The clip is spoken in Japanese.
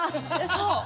そう！